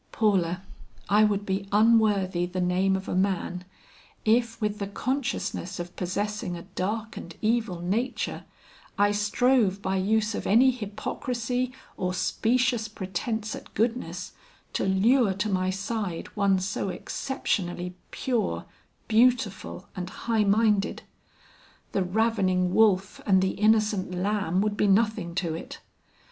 "Paula, I would be unworthy the name of a man, if with the consciousness of possessing a dark and evil nature, I strove by use of any hypocrisy or specious pretense at goodness, to lure to my side one so exceptionally pure, beautiful and high minded. The ravening wolf and the innocent lamb would be nothing to it.